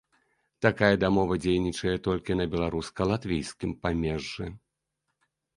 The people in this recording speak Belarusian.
Такая дамова дзейнічае толькі на беларуска-латвійскім памежжы.